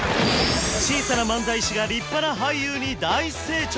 小さな漫才師が立派な俳優に大成長